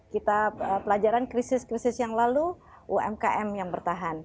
kita pelajaran krisis krisis yang lalu umkm yang bertahan